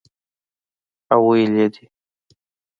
او ویلي یې دي